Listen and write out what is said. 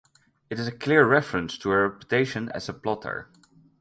It is a clear reference to her reputation as a plotter.